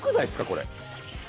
これ。